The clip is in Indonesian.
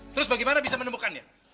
terus bagaimana bisa menemukannya